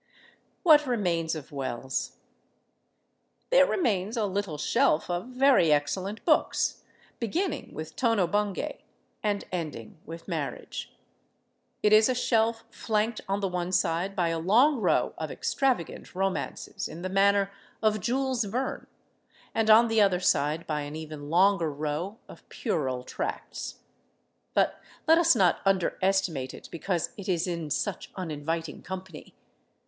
What remains of Wells? There remains a little shelf of very excellent books, beginning with "Tono Bungay" and ending with "Marriage." It is a shelf flanked on the one side by a long row of extravagant romances in the manner of Jules Verne, and on the other side by an even longer row of puerile tracts. But let us not underestimate it because it is in such uninviting company.